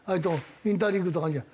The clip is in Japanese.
インターリーグとかあるじゃん。